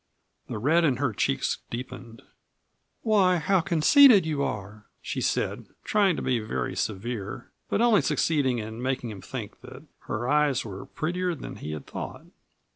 The red in her cheeks deepened. "Why, how conceited you are!" she said, trying to be very severe, but only succeeding in making him think that her eyes were prettier than he had thought.